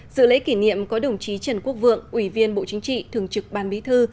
dự lễ kỷ niệm có đồng chí trần quốc vượng ủy viên bộ chính trị thường trực ban bí thư